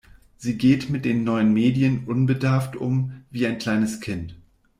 Sie geht mit den neuen Medien unbedarft um, wie ein kleines Kind.